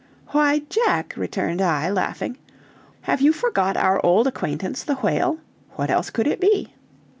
"Why, Jack!" returned I, laughing, "have you forgot our old acquaintance, the whale? What else could it be?"